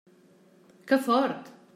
Que fort!